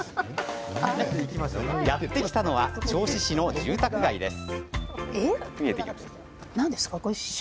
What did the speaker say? やって来たのは銚子市の住宅街です。